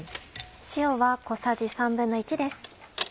塩は小さじ１／３です。